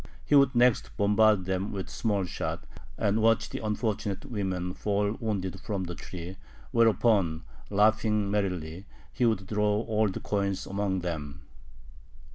He would next bombard them with small shot, and watch the unfortunate women fall wounded from the tree, whereupon, laughing merrily, he would throw gold coins among them.